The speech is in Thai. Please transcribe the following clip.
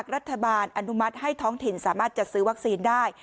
รัฐบาลอนุมัติให้ท้องถิ่นสามารถจัดซื้อวัคซีนได้